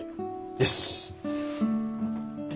よし。